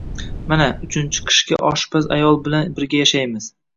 Mana, uchinchi qishki oshpaz ayol bilan birga yashayman